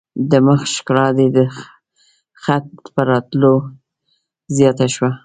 د مخ ښکلا دي د خط په راتلو زیاته شوه.